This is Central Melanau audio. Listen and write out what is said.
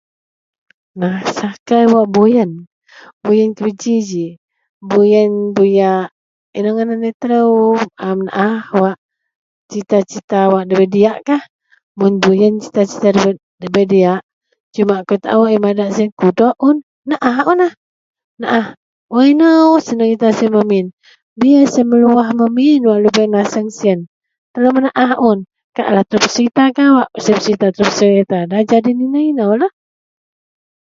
Manaah sakai wak buyen, buyen kuji-ji. Buyen buyak inou ngadan laei telou a menaah wak serita-serita wak ndabei diyakkah. Mun buyen serita-serita ndabei diyak sumak akou madak siyen kudok un, menaah unlah, menaah. Wak inou senerita siyen min-min. Biyer siyen meluwah min-min wak lubeang naseng siyen. Telou menaah un kaklah telou peserita kawak. Mun telou peserita nda nyadin inou-inoulah.